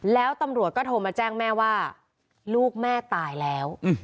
แล้วตำรวจก็โทรมาแจ้งแม่ว่าลูกแม่ตายแล้ว